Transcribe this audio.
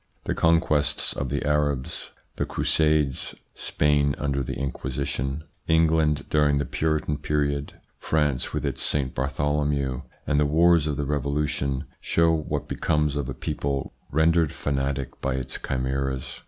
The conquests of the Arabs, the Crusades, Spain under the Inquisition, England during the Puritan period, France with its St. Bartholomew, and the wars of the revolution show what becomes of a people rendered fanatic by its chimeras.